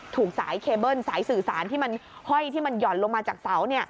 ถูกสายเคเบิ้ลสายสื่อสารที่มันห้อยที่มันหย่อนลงมาจากเสา